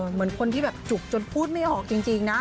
เหมือนคนที่แบบจุกจนพูดไม่ออกจริงนะ